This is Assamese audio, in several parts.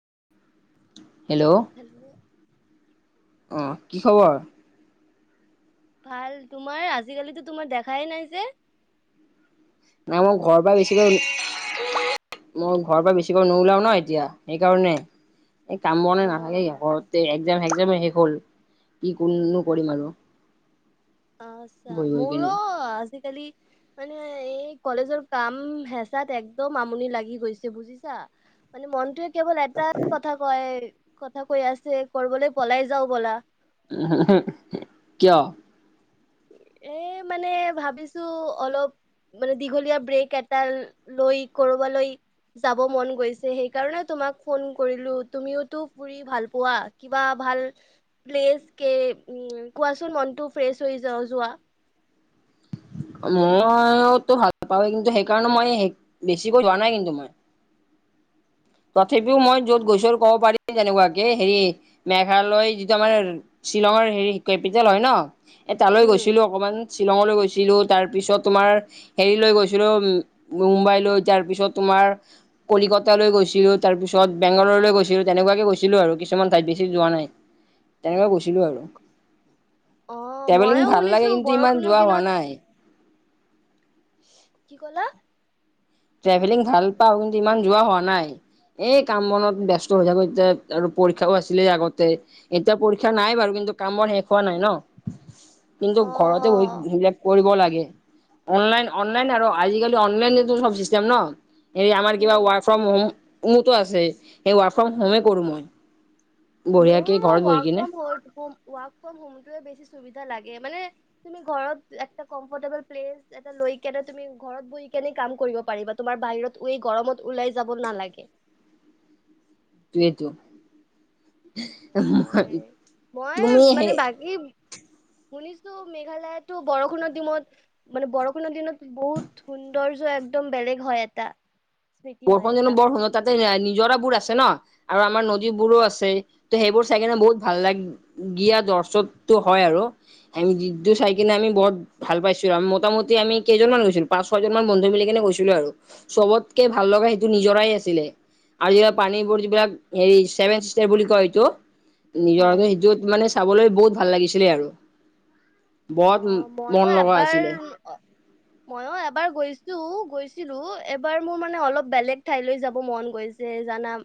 [unintelligible] হেল্ল' অহ কি খবৰ? ভাল তোমাৰ আজিকালিতো তোমাক দেখাই নাই যে? মই ঘৰৰ পৰা বেছিকৈ মই ঘৰৰ পৰা বেছিকৈ নোলাও ন এতিয়া সেইকাৰণে এই কাম বন অ নাথাকে ঘৰতে একজাম‌ একজাম শেষ হ'ল কি কোনো কৰিম আৰু আচ্ছা বহি বহি মোৰো কিনে আজি আজিকালি মানে এই কলেজৰ কাম হেঁচাত একদম আমনি লাগি গৈছে বুজিছা মানে মনটোৱে কেৱল এটা কথা কয় কথা কৈ আছে কৰিবলৈ পলাই যাও ব'লা। কিয়? এ মানে ভাবিছোঁ অলপ মানে দীঘলীয়া ব্ৰেক এটা লৈ কৰবা লৈ যাব মন গৈছে সেইকাৰণে তোমাক ফোন কৰিলো তুমিওতো ফুৰি ভাল পোৱা কিবা ভাল প্লেচ কে উ কোৱাচোন মনটো ফ্ৰেছ হৈ য যোৱা। মইতো ভাল পাওঁ কিন্তু সেইকাৰণে মই বেছিকৈ যোৱা নাই কিন্তু মই তথাপিও মই য'ত গৈছোঁ ক'ব পাৰি যেনেকুৱাকে হেৰি মেঘালয় যিটো আমাৰ শ্বিলঙৰ হেৰি কেপিটেল হয় ন এ তালৈ উম গৈছিলো অকমান শ্বিলঙলৈ গৈছিলোঁ। তাৰ পিছত তোমাৰ হেৰিলৈ গৈছিলো মুম্বাই লৈ তাৰ পিছত তোমাৰ কলকতালৈ গৈছিলো তাৰপিছত বেংগালোৰলৈ গৈছিলো তেনেকুৱাকে গৈছিলো আৰু কিছুমান ঠাইত বেছি যোৱা নাই। তেনেকোৱাই গৈছিলো আৰু অ ট্ৰেভেলিং মইও ভাল লাগে শুনিছো কিন্তু ইমান বৰষুণৰ যোৱা হোৱা দিনত নাই কি ক'লা? ট্ৰেভেলিং ভাল পাও কিন্তু ইমান যোৱা হোৱা নাই। এই কাম বনত ব্যস্ত হৈ থাকো এতিয়া আৰু পৰীক্ষাও আছিলে আগতে এতিয়া পৰীক্ষা নাই বাৰু কিন্তু কিন্তু কাম বোৰ শেষ হোৱা নাই ন কিন্তু অ ঘৰতে বহি সেইবিলাক কৰিব লাগে। অনলাইন অনলাইন আৰু আজিকালি অনলাইনতো চ চিচতেম ন এই আমাৰ কিবা উম ৱক ফ্ৰম হোম উন্নত আছে সেই ৱাৰক ফ্ৰম হোমে কৰো মই বঢ়িয়াকে মোৰো ঘৰত বহি কিনে ৱৰ্ক ফ্ৰ ৱৰ্ক ফ্ৰম হোমতে বেছি সুবিধা লাগ গে মান তুমি ঘৰত কম্পটেবোল প্ৰেছ এটা লৈ কে তুমি ঘৰত বহি কেনে কাম। কৰিব পাৰিবা তোমাৰ বাহিৰত গৰমত ওলাই যাব নালাগে। তু এটো মই তুমি হে মানে বাকী শুনিছো মেঘালয়তো বৰষুণৰ দিমত মানে বৰষুণৰ দিনত বহুত সৌন্দৰ্য একদম বেলেগ হয় এটা স্মৃতি হয় বৰষুণ জানো এটা বৰ শুন তাতে যাইনি নিজৰা বোৰ আছে ন আৰু আমাৰ নদী বোৰো আছে ত সেইবোৰ চাই কিনে বহুত ভাল লাগিয়া তাৰ চৰ্ত হয় আৰু আমি যিটো চাই কিনে আমি বহুত ভাল পাইছো মটামতি আমি কেইজন গৈছিলো পাঁচ ছয়জন মান বন্ধু মিলি কেনে গৈছিলো আৰু চবতকে ভাল লগা সেইটো নিজৰাই আছিলে আৰু যিলাক পানী বোৰ যিবিলাক হেৰি চেভেন চিচতাৰ বুলি কয়সেটো হয় নিজৰাটো সেইটোত মানে চাবলৈ বহুত ভাল লাগিছিলে আৰু বত অ মন লগা আছিলে ময়ো এবাৰ গৈছো গৈছিলো এবাৰ মোৰ মানে অলপ বেলেগ ঠাইলৈ যাব মন গৈছে জানাম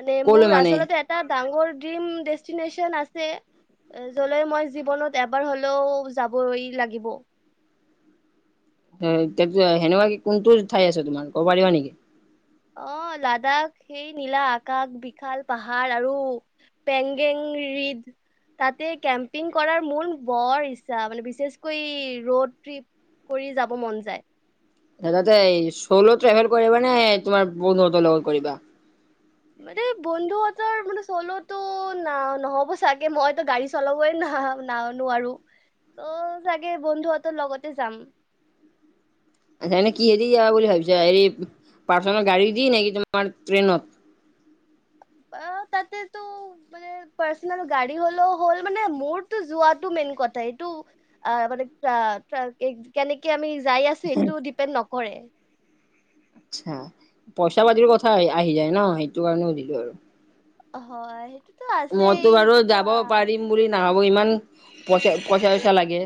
মানে ক'লৈ মোৰ মানে আচলতে এটা ডাঙৰ ডিম ডেষ্টিনেচন আছে যলৈ মই জীৱনত এবাৰ হ'লেও যাবই লাগিব হে এতিয়া কিয় সেনেকুৱা কি কোনটো ঠাই আছে তোমাৰ কব পাৰিবা নেকি? অ লাডাখ সেই নীলা আকাশ বিশাল পাহাৰ আৰু পেংগেং ৰিদ। তাতে কেম্পিং কৰাৰ মোৰ বৰ ইচ্ছা মানে বিশেষকৈ ৰড ট্ৰিপ কৰি যাব মন যায়। এ তাতে চল ট্ৰেভেল কৰিবা নে তোমাৰ বন্ধু হঁতৰ লগত কৰিবা? মানে বন্ধুহতৰ মানে চলোতো না নহ'ব চাগে। মইতো গাড়ী চলাবই ন না নাৱ নোৱাৰো। ত চাগে বন্ধুহতৰ লগতে যাম। [unintelligible] আচছা এনে কি হেৰি যাবা বুলি ভাবিছা হেৰি পাৰ্চনেল গাড়ী দি নেকি তোমাৰ ট্ৰেইনত? [unintelligible] বা তাতেতো মানে পাৰ্চনেল গাড়ী হলেও হ'ল মানে মোৰতো যোৱাতো মে ন কথ এইটো আ মানে আ কেনেকে আমি যাই আছো এইটো ডিপেণ্ড নকৰে। আচ্ছা পইচা পাতিৰ কথা আহি যায় ন। সেইটো কাৰণে সুধিলো আৰু হয় সেইটো মইতো বাৰু যাব পাৰিম বুলি নাভাবো ইমান পইচা পইচা চইচা লাগে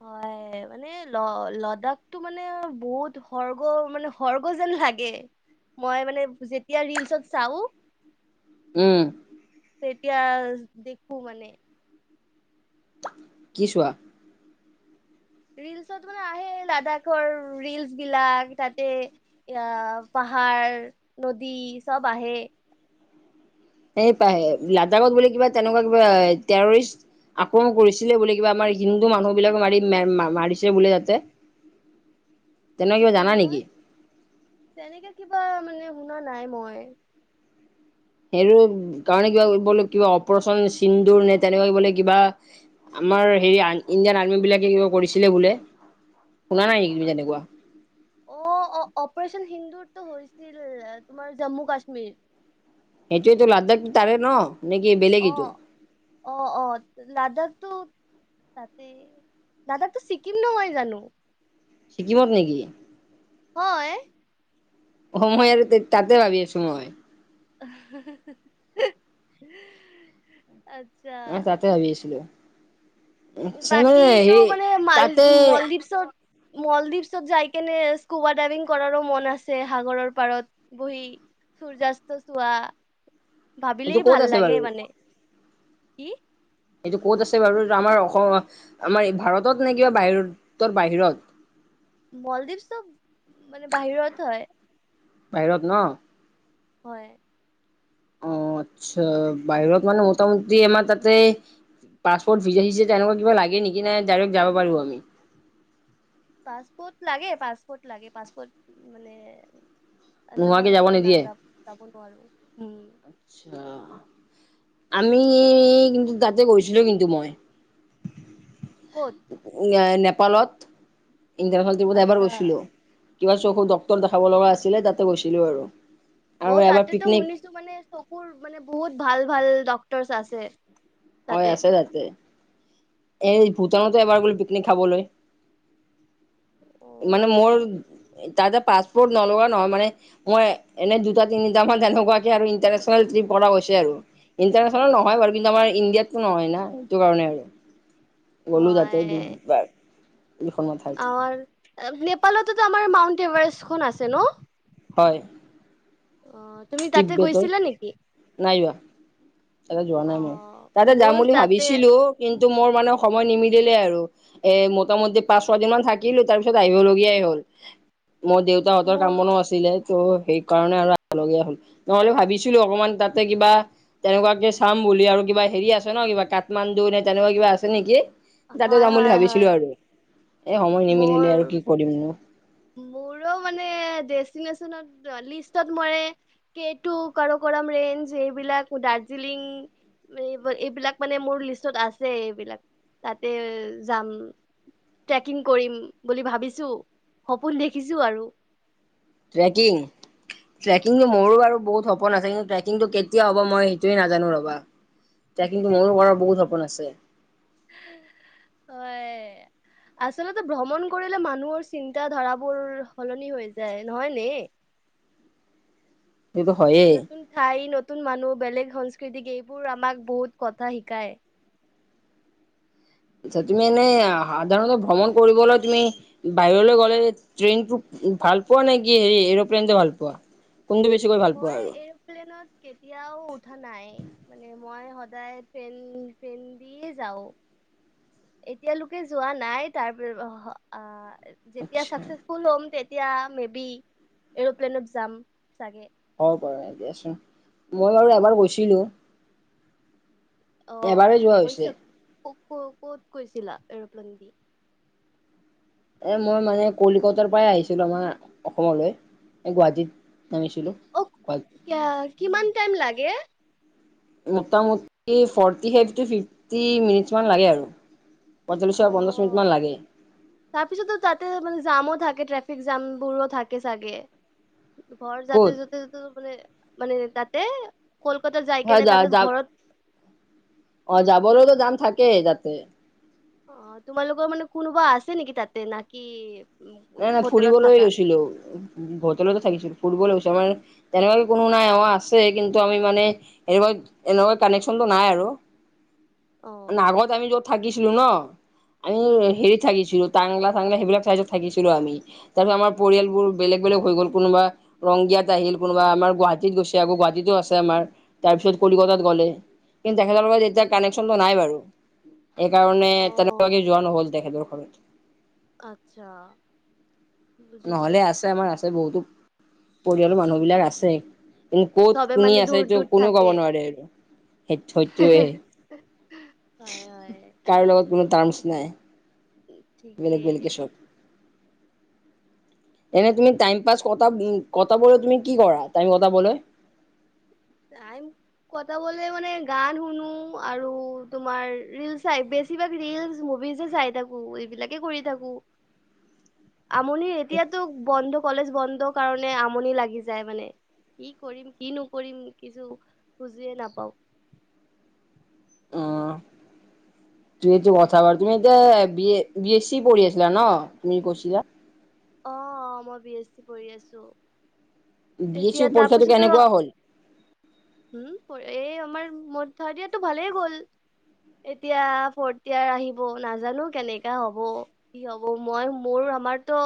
হয় এ মানে ল লডখটো মানে বহুত সৰ্গ মানে সৰ্গ যেন লাগে। মই মানে যেতিয়া ৰিলচত চাও। উম। তেতিয়া দেখো মানে। কি চোৱা? ৰিলচত মানে আহে লাডাখৰ ৰিলচ বিলাক তাতে অ পাহ পাহাৰ, নদী চব আহে। এ পাহে লাডাখত বুলি কিবা তেনেকুৱা কিবা তেৰৰিষ্ট আক্ৰমণ কৰিছিলে বুলি কিবা আমাৰ হিন্দু মানুহবিলাক মাৰি মে মা মাৰিছে বুলে ইয়াতে। [inaudible] অ মই তেনেকে কিবা মানে শুনা নাই মই। সেই ৰো কাৰণে কিবা কইবলে কিবা অপাৰচন চিন্দুৰ নে তেনেকৈ বোলে কিবা আমাৰ হেৰি ইণ্ডিয়ান আৰ্মী বিলাকে কিবা কৰিছিলে বোলে। শুনা নাই নেকি তুমি অ তেনেকুৱা? অ অ অপাৰেচন হিন্দু টো হৈছিল তোমাৰ জম্মু কাশ্মীৰ। সেইটোৱেটো লাডাখ তাৰে ন। নে কি অ বেলেগ এটো? অ অ লাডাখটো তাতে লাডাখটো ছিকিম নহয় জানো। ছিকিমত নেকি? হয়। সময় আৰু তে তাতে ভাবি আছো মই। [unintelligible] অ আচ্ছা তাতে ভাবি আছিলো। মানে বাকীটো হেৰি মানে মাল তাতে মলদ্বীপছত মলদ্বীপছত যাই কেনে স্কুবা ডাইভিং কৰাৰো মন আছে। সাগৰৰ পাৰত বহি সূৰ্য্যাস্ত চোৱা। এইটো ভাবিলেই ক'ত ভাল আছে বাৰু লাগে মানে। কি? এইটো ক'ত আছে বাৰু আমাৰ অস আমাৰ ভাৰতত নে কিবা বাহিৰ তৰ বাহিৰত। [inaudible] মলদ্বীপ চব মানে বাহিৰত হয়। বাহিৰত ন হয় অ আত্চ্ছা বাহিৰত মানে মোটামুটি আমাৰ তাতে পাছপৰ্ট ভিজা চিজা তেনেকুৱা কিবা লাগে নেকি নে ডাইৰেক্ট যাব পাৰিব আমি পাছপোৰ্ট লাগে পাছপোৰ্ট লাগে পাছপোৰ্ট মানে নোহোৱাকে যাব নহলেতো নিদিয়ে নাযাব যাব নোৱাৰো উম আচ্ছা, আমি কিন্তু তাতে গৈছিলো কিন্তু মই ক'ত উ নেপালত ইণ্টাৰ এবাৰ আচ্ছা গৈছিলো কিবা চকুৰ ডক্টৰ দেখাব লগা আছিলে তাতে গৈছিলো আৰু অ আৰু এবাৰ তাতেতো পিকনিক শুনিছো মানে চকুৰ মানে বহুত ভাল ভাল ডক্টৰছ আছে। হয় আছে তাতে এই ভূটানতে এবাৰ গলো পিকনিক খাবলৈ অ মানে মোৰ তাতে পাছপৰ্ট নলগা নহয় মানে মই এনেই দুটা তিনিট মান তেনেকুৱাকে আৰু ইণ্টাৰনে্চনেলট্ৰিপ এশটকা গৈছে আৰু ইন্টাৰনেছনেল নহয় বাৰু কিন্তু আমাৰ ইণ্ডিয়াতটো নহয় ন সেইটো কাৰণে আৰু গ'লো তাতে দুবাৰ দুখনমান ঠাইত আৰ নেপালততো আমাৰ মাউণ্ট এভাৰেষ্টখন আছে ন হয় অ তুমি তাতে তিব্বেতৰ গৈছিলা নেকি? নাই যোৱা তাতে যোৱা নাই মই অ', তাতে যাম মোৰ বুলি তাতে ভাবিছিলো কিন্তু মোৰ মানে সময় নিমিলিলে আৰু এ মোটামুটি পাঁচ ছয় দিন মান থাকিলো তাৰ পিছত আহিবলগীয়াই হ'ল। মোৰ দেউতাহঁতৰ কাম মোৰ বনো আছিলে। ত' সেইকাৰণে আৰু আহিবলগীয়া হল নহলে ভাবিছিলো অকমান তাতে কিবা তেনেকুৱাকে চাম বুলি আৰু কিবা হেৰি আছে ন কিবা কাঠমাণ্ডু নে তেনেকুৱা কিবা আছে নেকি? তাতে হয়, যাম বুলি হয়, ভাবিছিলো হয়, আৰু এ সময় নিমিলিলে আৰু কি কৰিম নো। মোৰ মানে দেষ্টিনেচনত লিষ্টত মানে কেটো কাৰৌক- ৰেঞ্জ এইবিলাক দাৰ্জিলিং। এই এইবিলাক মানে মোৰ লিষ্টত আছে এইবিলাক তাতে যাম। ট্ৰেকিং কৰিম বুলি ভাবিছো সপোন দেখিছো আৰু। ট্ৰেকিং? ট্ৰেকিংটো মোৰো বাৰু বহুত সপোন আছে কিন্তু ট্ৰেকিংটো কেতিয়া হ'ব মই সেইটোৱে নাজানো ৰ'বা। ট্ৰেকিংটো মোৰো কৰাৰ বহুত সপোন আছে। হয়। আচলতে ভ্ৰমণ কৰিলে মানুহৰ চিন্তা ধাৰাবোৰ সলনি হৈ যায় নহয় নে? [inaudible] সেইটো হয়েই। নতুন ঠাই নতুন মানুহ বেলেগ সংস্কৃতিক এইবোৰ আমাক বহুত কথা শিকায়। আটচা তুমি এনে সাধাৰণতে ভ্ৰমণ কৰিবলৈ তুমি বাহিৰলৈ গ'লে ট্ৰেইনটো ভাল পোৱা নে কি হেৰি এৰোপ্লেনটো ভাল পোৱা? কোনটো বেছিকৈ ভাল পোৱা মই আৰু এৰপ্লেনত কেতিয়াও উঠা নাই মানে মই সদায় ট্ৰেন ট্ৰেন্দিয়েই যাওঁ। এতিয়ালৈকে যোৱা নাই তাৰপিছ অহ অ। যেতিয়া আচ্ছা চাকচেচফুল হম তেতিয়া মে বি এৰপ্লেনত যাম চাগে? হব পাৰে দিয়াচোন মই বাৰু এবাৰ গৈছিলো। এবাৰে যোৱা হৈছে। ক ক'ত গৈছিলা এৰপ্লেন দি। এ মই মানে কলিকতাৰ পৰাই আহিছিলো আমাৰ অসমলৈ, এ গুৱাহাটীত। নামিছিলো অ ক কিয়া- কিমান টাইম লাগে? মোটামুটি ফৰ্টি ফাইভ টু ফিফটি মিনিটছমান লাগে আৰু। পঞ্চল্লিছ অ পৰা পঞ্চাছ মিনিট মান লাগে তাৰপিছতো তাতে মানে জামো থাকে ট্ৰে ফিক জাম বোৰো থাকে চাগে ঘৰ ক'ত যাওতে যাওতে যতে মানে মানে তাতে কলকাতাৰ যাই হয় কেনে যা তাতে যা ঘৰত অ যাবৰতো যাম থাকে তাতে। অ তোমালোকৰ মানে কোনোবা আছে নেকি তাতে না কি? নাই নাই ফুৰিবলৈ গৈছিলো হোটেলতে থাকিছিলো ফুৰিবলে গৈছিলো। তোমাৰ তেনেকুৱা কোনো নাই আমাৰ আছে কিন্তু আমি মানে এনেকুৱা এনেকুৱা কানেকচনটো নাই আৰু। অ মানে আগত আমি য'ত থাকিছিলো ন আমি উম হেৰিত থাকিছিলো। টাংলা চাংলা সেইবিলাক চাইদত থাকিছিলো আমি তাৰপিছত আমাৰ পৰিয়ালবোৰ বেলেগ বেলেগ হৈ গ'ল কোনোবা ৰংগিয়াত আহিল কোনবা আমাৰ গুৱা গুৱাহাটীত গৈছে আকৌ গুৱাহাটীতো আছে আমাৰ তাৰপিছত কলিকতাত গ'লে কিন্তু তেখেতৰ লগত এতিয়া কানেকশ্যনটো নাই বাৰু। এই কাৰণে অ তেনেকুৱাকে যোৱা নহ'ল তেখেতৰ ঘৰত। আচ্ছা। বুজিছো নহলে আছে আমাৰ আছে বহুতো পৰিয়ালৰ মানুহ বিলাক আছে। তুমি ক'ত চবে শুনি মানে আছা দূৰ এইটো দূৰ কোনেও থাকে কব নোৱাৰে আৰু সেই সেইটোৱে হয় হয় কাৰো লগত কোনো তাৰ্মছ নাই। বেলেগ ঠিকেই বেলেগে চব। এনে তুমি টাইম পাছ কথা উ কটাবলৈ তুমি কি কৰা টাইম কটাবলৈ টাইম কটাবলে মানে গান শুনো আৰু তোমাৰ ৰিল চাইবে বেছিভাগ ৰিলচ মুভিজে চাই থাকো এইবিলাকে কৰি থাকো। [unintelligible] আমনি এতিয়াতো বন্ধ কলেজ বন্ধ কাৰণে আমনি লাগি যায় মানে কি কৰিম কি নকৰিম? কিছু বুজিয়ে নাপাও। অ। তুমিটো কথাবাৰ তুমি ত বিএ বি এছ চি পঢ়ি আছিলা ন তুমি কৈছিলা। অ অ মই বি এছ চি পঢ়ি আছো। বি এছ চি এতিয়া পৰীক্ষাটো তাৰপিছতো কেনেকুৱা হ'ল হম এই আমাৰ ম দিয়াটো ভালেই গ'ল এতিয়া ফৰ্থ ইয়াৰ আহিব নাজানো কেনেকা হব কি হব মই মোৰ আমাৰতো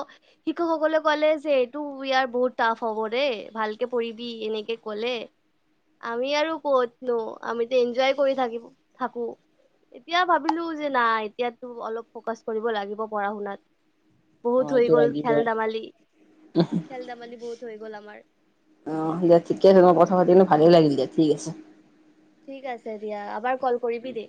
শিক্ষকসকলে ক'লে যে এইটো ইয়াৰ বহুত টাফ হব দে ভালকে পঢ়িবি এনেকে কলে আমি আৰু ক'তনো আমিতো এনজয় কৰি থাকিম থাকো এতিয়া ভাবিলো যে নাই এতিয়াতো অলপ ফকাচ কৰিব লাগিব পঢ়া শুনাত অ বহুত হৈ এইটো গল খেল লাগিবই ধেমালি খেল ধেমালি বহুত হৈ গ'ল আমাৰ অ দিয়া ঠিকে আছে মই কথা পাতি মোৰ ভালেই লাগিল দিয়া ঠিক আছে ঠিক আছে দিয়া আবাৰ কল কৰিবি দেই